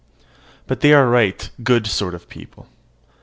But they are a right good sort of people.